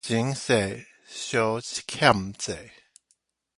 前世相欠債